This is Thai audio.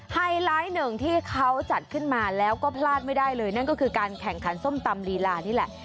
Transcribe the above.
ไฮไลท์หนึ่งที่เขาจัดขึ้นมาแล้วก็พลาดไม่ได้เลยนั่นก็คือการแข่งขันส้มตำลีลานี่แหละ